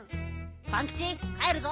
パンキチかえるぞ。